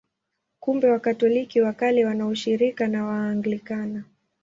Kumbe Wakatoliki wa Kale wana ushirika na Waanglikana.